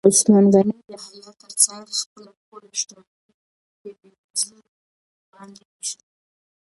عثمان غني د حیا تر څنګ خپله ټوله شتمني په بېوزلو باندې ووېشله.